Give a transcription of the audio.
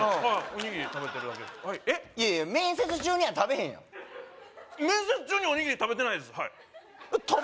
はいえっ？